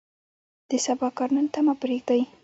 د سبا کار نن ته مه پرېږدئ.